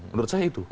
menurut saya itu